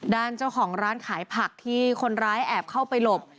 ด้านเจ้าของร้านขายผักที่คนร้ายแอบเข้าไปหลบ